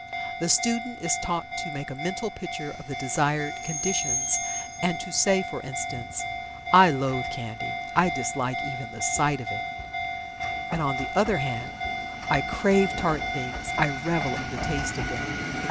The student is taught to make a mental picture of the desired conditions, and to say, for instance, "I loathe candy I dislike even the sight of it," and, on the other hand, "I crave tart things I revel in the taste of them," etc.